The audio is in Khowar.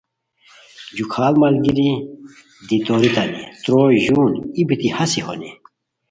جُو کھاڑ ملگیری دی تور تانی تروئے ژون ای بیتی ہاسی ہونی